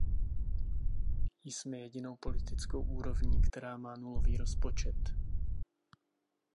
Jsme jedinou politickou úrovní, která má nulový rozpočet.